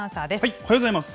おはようございます。